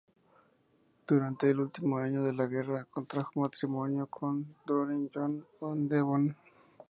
Durante el último año de la guerra, contrajo matrimonio con Doreen John en Devon.